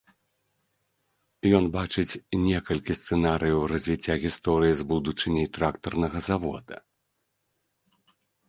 Ён бачыць некалькі сцэнарыяў развіцця гісторыі з будучыняй трактарнага завода.